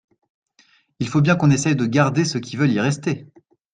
Il faut bien qu’on essaie de garder ceux qui veulent y rester.